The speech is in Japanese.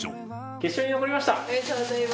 決勝に残りました！